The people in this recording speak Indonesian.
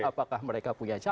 apakah mereka punya calon